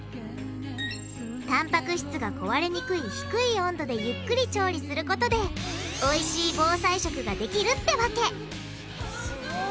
たんぱく質が壊れにくい低い温度でゆっくり調理することでおいしい防災食ができるってわけ！